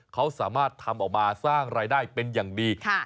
เขาสามารถทำออกมาสร้างรายได้เป็นอย่างดี